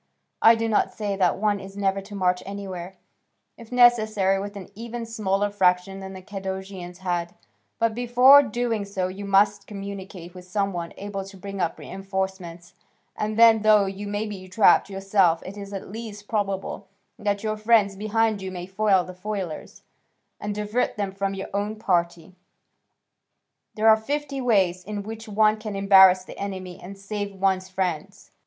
I do not say that one is never to march anywhere, if necessary, with an even smaller fraction than the Cadousians had; but, before doing so you must communicate with some one able to bring up reinforcements, and then, though you may be trapped yourself, it is at least probable that your friends behind you may foil the foilers, and divert them from your own party: there are fifty ways in which one can embarrass the enemy and save one's friends.